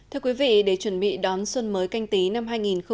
thưa quý vị để chuẩn bị đón xuân mới canh tí năm hai nghìn hai mươi